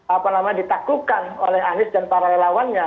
apa namanya ditaklukan oleh anies dan para lawannya